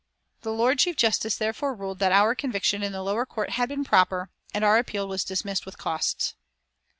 The Lord Chief Justice therefore ruled that our conviction in the lower court had been proper, and our appeal was dismissed with costs.